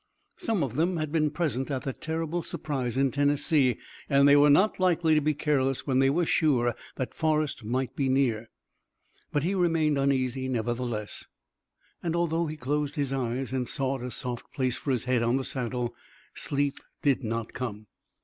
Some of them had been present at that terrible surprise in Tennessee, and they were not likely to be careless when they were sure that Forrest might be near, but he remained uneasy nevertheless, and, although he closed his eyes and sought a soft place for his head on the saddle, sleep did not come.